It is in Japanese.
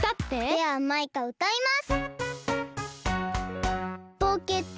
ではマイカ歌います！